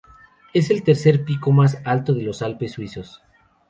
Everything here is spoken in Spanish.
Es el tercer pico más alto de los Alpes suizos.